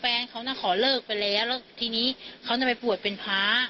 แฟนเขาน่ะขอเลิกไปแล้วแล้วทีนี้เขาจะไปปวดเป็นพระ